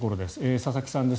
佐々木さんです。